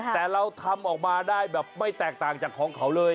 แต่เราทำออกมาได้แบบไม่แตกต่างจากของเขาเลย